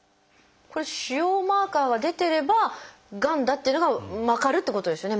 これ腫瘍マーカーが出てればがんだっていうのが分かるってことですよね